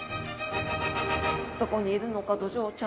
どこにいるのかドジョウちゃん。